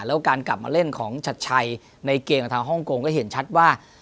แล้วการกลับมาเล่นของชัดชัยในเกมกับทางฮ่องกงก็เห็นชัดว่า